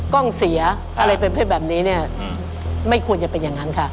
กล้องเสียอะไรประเภทแบบนี้เนี่ยไม่ควรจะเป็นอย่างนั้นค่ะ